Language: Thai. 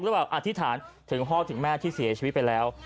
แบบอธิษฐานถึงพ่อถึงแม่ที่เสียชีวิตไปแล้ว